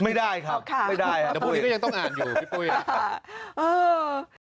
ไม่ได้ครับแต่พูดนี้ก็ยังต้องอ่านอยู่พี่ปุ๊ย